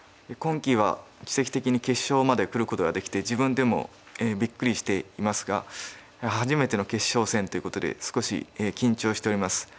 今期は奇跡的に決勝までくることができて自分でもびっくりしていますが初めての決勝戦ということで少し緊張しております。